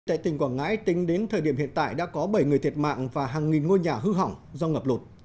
tại tỉnh quảng ngãi tính đến thời điểm hiện tại đã có bảy người thiệt mạng và hàng nghìn ngôi nhà hư hỏng do ngập lụt